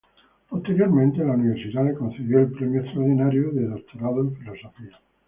Posteriormente, la Universidad le concedió el premio extraordinario de doctorado en filosofía.